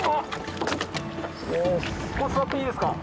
もう座っていいですか？